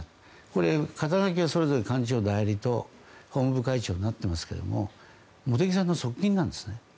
これは肩書が幹事長代理と法務部会長になっていますけど茂木さんの側近なんです。